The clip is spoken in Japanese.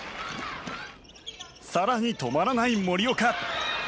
更に止まらない森岡。